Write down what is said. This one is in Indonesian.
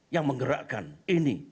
yang menggerakkan ini